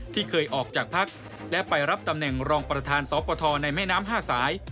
ที่เคยออกจากพักและไปรับตำแหน่งรองประธานสปทในแม่น้ำ๕สาย